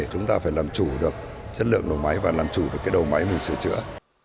chúng ta phải làm chủ được chất lượng đầu máy và làm chủ được cái đầu máy mình sửa chữa